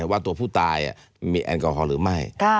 ว่าตัวผู้ตายมีแอลกอฮอล์หรือไม่